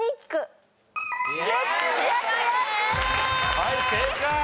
はい正解！